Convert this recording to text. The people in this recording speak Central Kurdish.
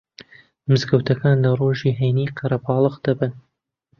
مزگەوتەکان لە ڕۆژانی هەینی قەرەباڵغ دەبن